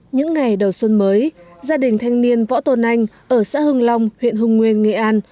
những ngày đầu xuân mới gia đình thanh niên võ tồn anh ở xã hưng long huyện hưng nguyên nghệ an